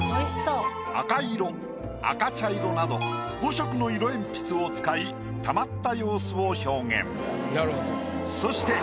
赤色赤茶色など５色の色鉛筆を使い溜まった様子を表現。